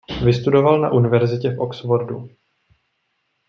Vystudoval na univerzitě v Oxfordu.